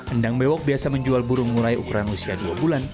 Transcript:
endang bewok biasa menjual burung murai ukuran usia dua bulan